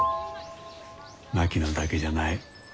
槙野だけじゃない。